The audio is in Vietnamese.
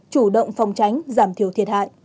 chủ động phòng tránh giảm thiểu thiệt hại